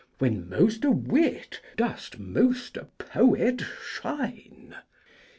When most a Wit dost most a Poet shine.